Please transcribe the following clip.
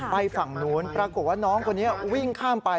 ฝั่งนู้นปรากฏว่าน้องคนนี้วิ่งข้ามไป